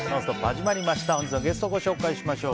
始まりました。